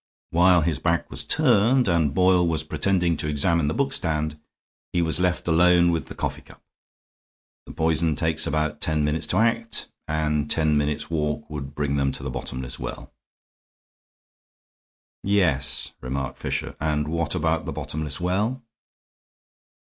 While his back was turned, and Boyle was pretending to examine the bookstand, he was left alone with the coffee cup. The poison takes about ten minutes to act, and ten minutes' walk would bring them to the bottomless well." "Yes," remarked Fisher, "and what about the bottomless well?"